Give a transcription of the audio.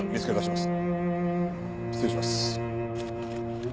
失礼します。